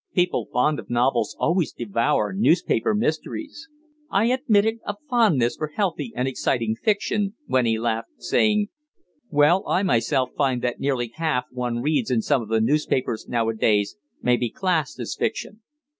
People fond of novels always devour newspaper mysteries." I admitted a fondness for healthy and exciting fiction, when he laughed, saying "Well, I myself find that nearly half one reads in some of the newspapers now a days may be classed as fiction.